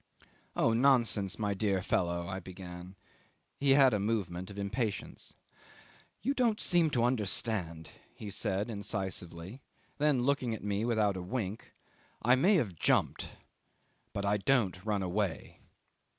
"Oh! nonsense, my dear fellow," I began. He had a movement of impatience. "You don't seem to understand," he said incisively; then looking at me without a wink, "I may have jumped, but I don't run away."